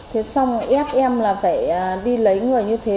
thế xong ép em là phải đi lấy người như thế